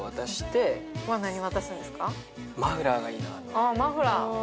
ああマフラー